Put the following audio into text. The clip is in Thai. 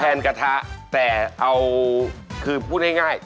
กระทะแต่เอาคือพูดง่าย